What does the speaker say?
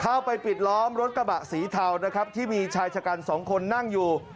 เข้าไปปิดล้อมรถกระบะสีเทานะครับที่มีชายชะกันสองคนนั่งอยู่